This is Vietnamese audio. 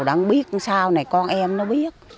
đang biết sau này con em nó biết